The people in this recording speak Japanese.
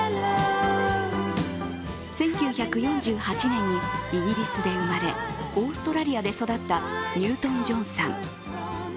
１９４８年にイギリスで生まれ、オーストラリアで育ったニュートン＝ジョンさん。